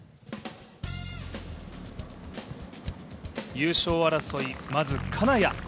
優勝争い、まず金谷。